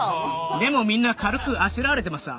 でもみんな軽くあしらわれてました。